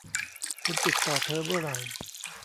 คุณติดต่อเธอเมื่อไหร่